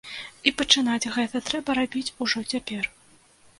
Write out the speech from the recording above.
І пачынаць гэта трэба рабіць ужо цяпер.